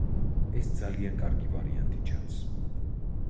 ეს ძალიან კარგი ვარიანტი ჩანს.